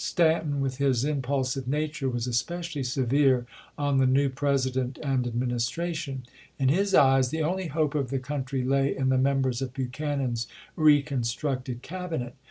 Stanton, with his impulsive nature, was especially severe on the new President and Administration. In his eyes the only hope of the country lay in the members of Buchanan's reconstructed Cabinet.